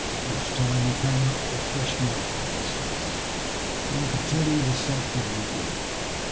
Each time he came up with a fresb mark upon his face, and I can tell you the sight did me good.